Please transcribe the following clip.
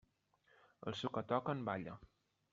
Al so que toquen, balla.